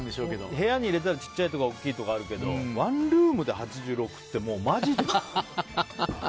部屋に入れたらちっちゃいとか大きいとかあるけどワンルームで８６ってマジで。